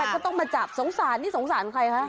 ก็ต้องมาจับสงสารนี่สงสารใครคะ